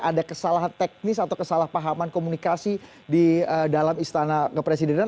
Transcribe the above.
ada kesalahan teknis atau kesalahpahaman komunikasi di dalam istana kepresidenan